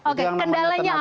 oke kendalanya apa pak hanif